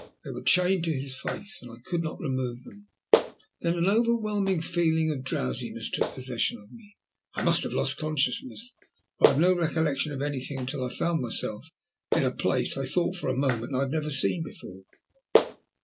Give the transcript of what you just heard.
They were chained to his face, and I could not remove them. Then an overwhelming feeling of drowsiness took possession of me, and I must have lost consciousness, for I have no recollection of anything until I found myself in a place I thought for a moment I had never seen before.